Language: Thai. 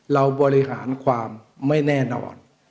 เราบริหารความไม่แน่นอน